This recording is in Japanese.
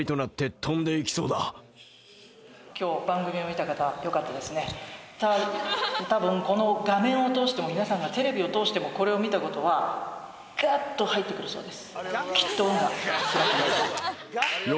たぶんこの画面を通しても皆さんがテレビを通してもこれを見たことはガッと入ってくるそうです